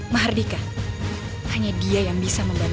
berani aku membeli